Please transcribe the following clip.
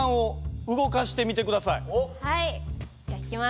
じゃいきます。